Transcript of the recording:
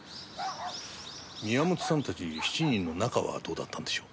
宮本さんたち７人の仲はどうだったんでしょう？